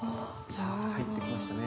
さあ入ってきましたね。